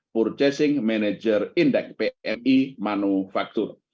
purchasing manager index pmi manufaktur